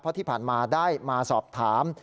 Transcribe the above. เพราะที่ผ่านมาได้มาสอบถาม